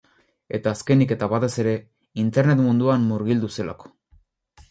Eta azkenik, eta batez ere, internet munduan murgildu zelako.